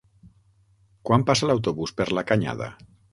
Quan passa l'autobús per la Canyada?